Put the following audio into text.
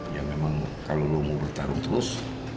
ya memang kalau lo mau bertarung terus